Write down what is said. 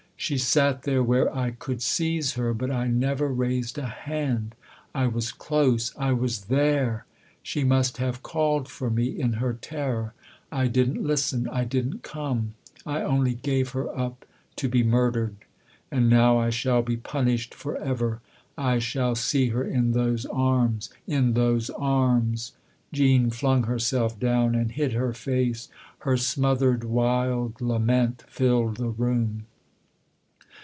She sat there where I could seize her, but I never raised a hand. I was close, I was there she must have called for me in her terror ! I didn't listen I didn't come I only gave her up to be murdered ! And now I shall be punished for ever : I shall see her in those arms in those arms !" Jean flung herself down and hid her face ; her smothered wild lament filled the room.